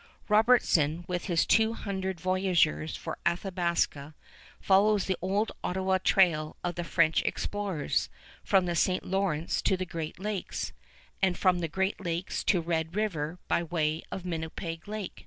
Robertson, with his two hundred voyageurs for Athabasca, follows the old Ottawa trail of the French explorers, from the St. Lawrence to the Great Lakes, and from the Great Lakes to Red River by way of Winnipeg Lake.